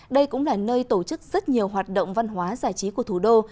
đây cũng là nơi tổ chức rất nhiều hoạt động văn hóa giải trí của thủ đô